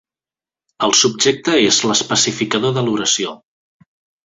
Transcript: El subjecte és l'especificador de l'oració.